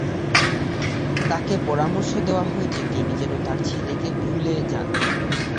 তাকে পরামর্শ দেওয়া হয়েছে, তিনি যেন তার ছেলেকে ভুলে যান।